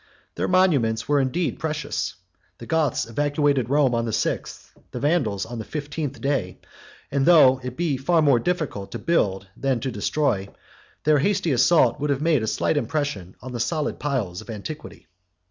Their moments were indeed precious; the Goths evacuated Rome on the sixth, 21 the Vandals on the fifteenth, day: 22 and, though it be far more difficult to build than to destroy, their hasty assault would have made a slight impression on the solid piles of antiquity.